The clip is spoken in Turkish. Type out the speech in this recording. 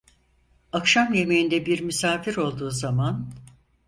Akşam yemeğinde bir misafir olduğu zaman…